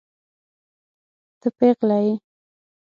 ته پيغله يې.